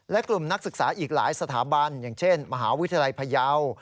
และกลุ่มนักศึกษาอีกหลายสถาบันอย่างเช่นมหาวิทยาลัยพยาว